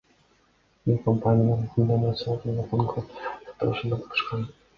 Бул компания Мегакомдун орусиялык Мегафонго сатылышында катышкан.